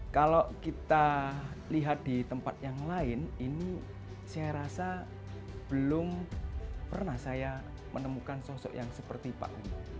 kalau kita lihat di tempat yang lain ini saya rasa belum pernah saya menemukan sosok yang seperti pak